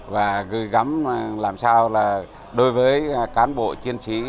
và gửi gắm làm sao là đối với cán bộ chiến sĩ